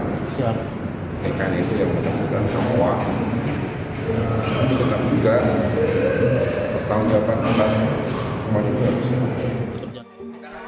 tetap juga bertanggapan atas kemanusiaan